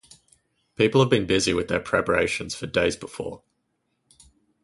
People have been busy with their preparations for days before.